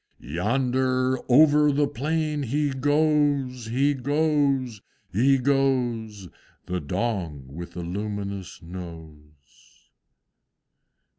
Yonder, over the plain he goes, He goes! He goes, The Dong with a luminous Nose!"